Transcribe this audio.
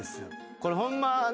これホンマな。